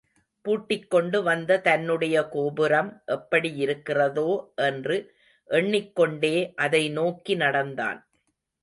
பூட்டிக்கொண்டு வந்த தன்னுடைய கோபுரம் எப்படியிருக்கிறதோ என்று எண்ணிக்கொண்டே அதை நோக்கி நடந்தான்.